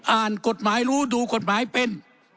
อ่านกฎหมายรู้ดูกฎหมายเป็น